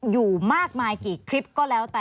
อยู่มากมายกี่คลิปก็แล้วแต่